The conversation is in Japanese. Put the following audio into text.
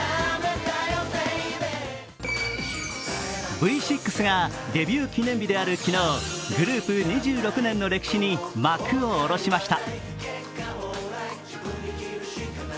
Ｖ６がデビュー記念日である昨日グループ２６年の歴史に幕を下ろしました。